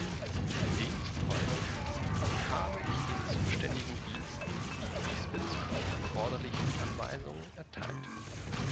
Demzufolge habe ich den zuständigen Diensten die diesbezüglich erforderlichen Anweisungen erteilt.